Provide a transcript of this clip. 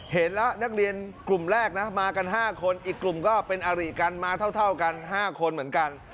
เห็นแล้วนักเรียนกลุ่มแรกนะมากัน๕คนอีกกลุ่มก็เป็นอาริกันมาเท่ากัน๕คนเหมือนกัน